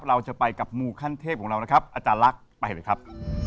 เราจะไปกับมูขั้นเทพของเรานะครับอาจารย์ลักษณ์ไปเลยครับ